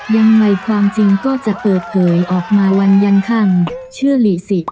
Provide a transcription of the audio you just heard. ยังไงความจริงก็จะเปิดเผยออกมาวันยันค่ำเชื่อหลีสิ